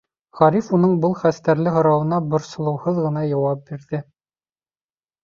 Ғариф уның был хәстәрле һорауына борсолоуһыҙ ғына яуап бирҙе.